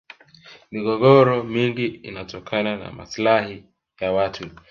migogoro mingi inatokana na maslahi ya watu